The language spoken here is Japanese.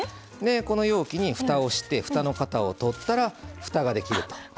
この容器に、ふたをしてふたの型を取ったらふたができると。